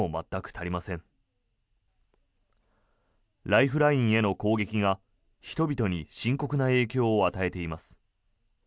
ライフラインへの攻撃が人々に深刻な影響を与えています。